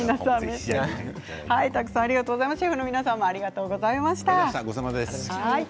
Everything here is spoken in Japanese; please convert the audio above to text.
シェフの皆さんもありがとうございました。